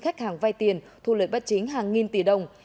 một khách hàng vay tiền thu lời bắt chính hàng nghìn tỷ đồng